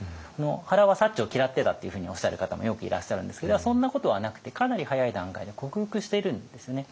原は薩長を嫌ってたっていうふうにおっしゃる方もよくいらっしゃるんですけどそんなことはなくてかなり早い段階で克服しているんですよね。